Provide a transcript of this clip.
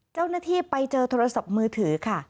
เจ้าหน้าที่ไปเจอโทรศัพท์มือถือค่ะ